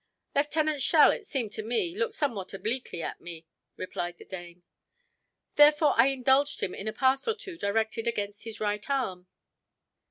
"Lieutenant Schell, it seemed to me, looked somewhat obliquely at me," replied the Dane. "Therefore, I indulged him in a pass or two directed against his right arm."